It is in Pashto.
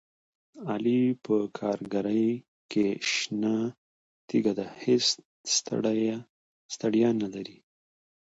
علي په کارګرۍ کې شنه تیږه دی، هېڅ ستړیې نه لري.